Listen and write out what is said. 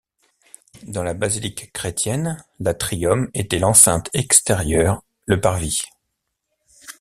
Dans la basilique chrétienne, l’atrium était l’enceinte extérieure, le parvis.